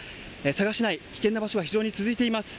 佐賀市内、危険な場所が非常に続いてます。